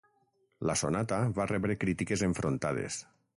La sonata va rebre crítiques enfrontades.